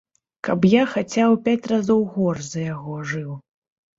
Каб я хаця ў пяць разоў горш за яго жыў.